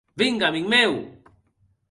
Vinga, amic meu.